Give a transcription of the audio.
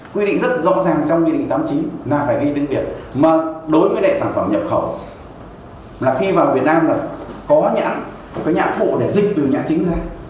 quy định rất rõ ràng trong quy định tám mươi chín là phải ghi tiếng việt mà đối với đại sản phẩm nhập khẩu là khi vào việt nam là có nhãn có nhãn phụ để dịch từ nhãn chính ra các vừa có nhãn phụ nhãn gấp và vừa có nhãn chính